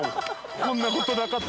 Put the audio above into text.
こんな事なかった。